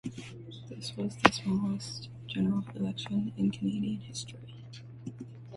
This was the smallest general election in Canadian history.